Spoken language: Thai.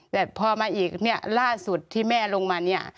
แต่พอมาอีกเนี่ยล่าสุดที่แม่ลงมาเนี่ย